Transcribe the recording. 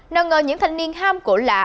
nào ngờ những thanh niên ham cổ lạ